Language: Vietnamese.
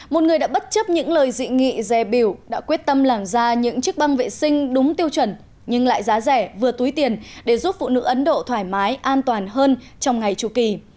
một người đã bất chấp những lời dị nghị dè biểu đã quyết tâm làm ra những chiếc băng vệ sinh đúng tiêu chuẩn nhưng lại giá rẻ vừa túi tiền để giúp phụ nữ ấn độ thoải mái an toàn hơn trong ngày tru kỳ